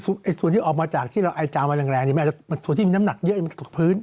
คือส่วนที่ออกมาจากที่เราไอจางมาแรงส่วนที่มีน้ำหนักเยอะมันจะตกพื้น